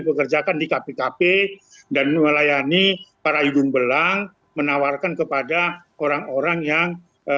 pekerjakan di kpkp dan melayani para hidung belang menawarkan kepada orang orang yang